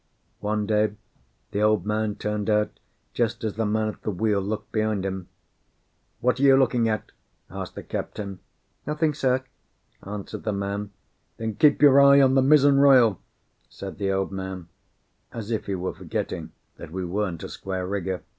One day the Old Man turned out just as the man at the wheel looked behind him. "What are you looking at?" asked the captain. "Nothing, sir," answered the man. "Then keep your eye on the mizzen royal," said the Old Man, as if he were forgetting that we weren't a square rigger.